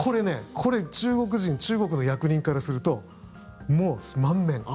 これ、中国人中国の役人からするともう満面。